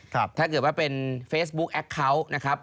ถ้าเกิดว่าเป็นเฟซบุ๊คแอคเคาน์นะครับ